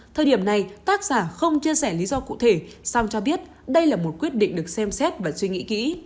thời điểm này tác giả không chia sẻ lý do cụ thể song cho biết đây là một quyết định được xem xét và suy nghĩ kỹ